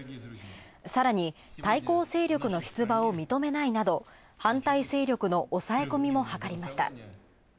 さらに、対抗勢力の出馬を認めないなど反対勢力の抑え込みもはかりました。